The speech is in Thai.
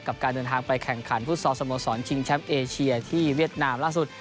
การเดินทางไปแข่งขันฟุตซอลสโมสรชิงแชมป์เอเชียที่เวียดนามล่าสุด